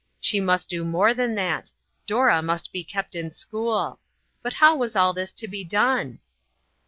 She must do more than that: Dora must be kept in school. But how was all this to be done